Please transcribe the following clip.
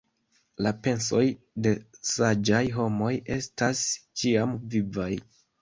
La pensoj de saĝaj homoj estas ĉiam vivaj.